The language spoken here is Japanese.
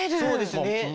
そうですね。